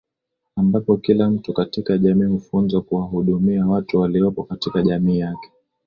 Ambapo kila mtu katika jamii hufunzwa kuwahudumia watu waliopo katika jamii yake